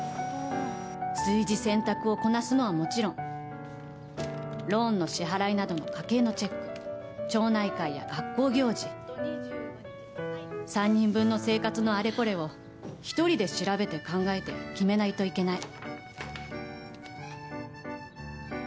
炊事・洗濯をこなすのはもちろんローンの支払いなどの家計のチェック町内会や学校行事３人分の生活のあれこれを１人で調べて考えて決めないといけない。